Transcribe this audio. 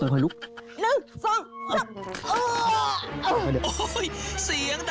โอ้ยโอ้ย